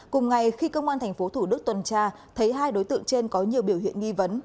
cùng ngày khi công an tp thủ đức tuần tra thấy hai đối tượng trên có nhiều biểu hiện nghi vấn